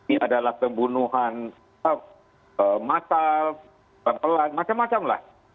ini adalah pembunuhan matal pelan macam macam lah